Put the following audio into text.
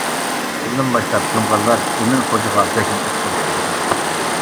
شۇندىن باشلاپ جۇڭغارلار ئىمىن خوجىغا بەكمۇ ئۆچ بولۇپ كېتىدۇ.